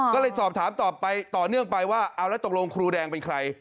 ก็เลยสอบถามตอบไปต่อเนื่องไปว่าเอาแล้วตกลงครูแดงเป็นใคร